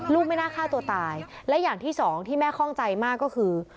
ไม่น่าฆ่าตัวตายและอย่างที่สองที่แม่คล่องใจมากก็คือ